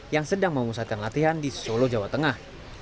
yang sedang memusatkan latihan di solo jawa tengah